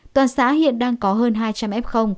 toàn xã hiện đang có hơn hai trăm linh ép không